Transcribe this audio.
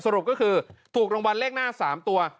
สรุปก็คือถูกรางวัลเลขหน้า๓ตัว